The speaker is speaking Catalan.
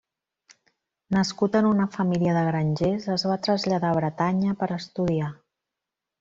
Nascut en una família de grangers, es va traslladar a Bretanya per estudiar.